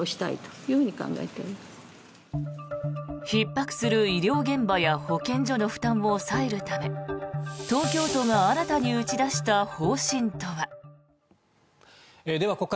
ひっ迫する医療現場や保健所の負担を抑えるため東京都が新たに打ち出した方針とは。